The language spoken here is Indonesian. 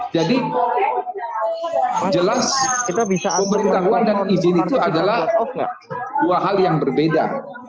jadi jelas pemberitahuan dan izin itu adalah dua hal yang berbeda